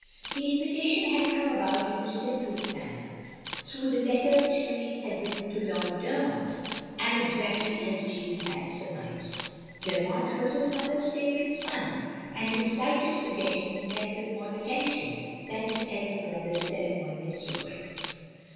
The invitation had come about in the simplest manner, through the letter which Louis had written to Lord Dermot, and exactly as Jeanne had surmised. Dermot was his mother's favourite son, and his lightest suggestions met with more attention than his elder brother's ceremonious requests.